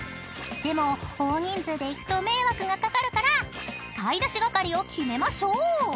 ［でも大人数で行くと迷惑が掛かるから買い出し係を決めましょう！］